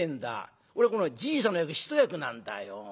俺このじいさんの役一役なんだよ。